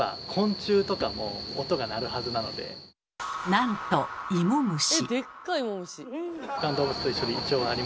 なんとイモムシ。